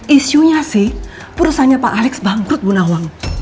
isunya sih perusahaannya pak alex bangkrut bu nawang